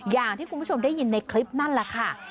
อย่างที่คุณผู้ชมได้ยินในคลิปนั่นแหละค่ะ